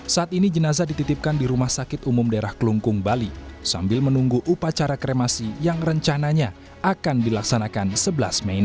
saat ini jenazah dititipkan di rumah sakit umum daerah kelungkung sambil menunggu upacara kremasi atau ngaben yang akan diselenggarakan keluarga korban